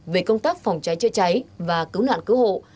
về công tác phòng cháy chữa cháy và cứu nạn cứu hộ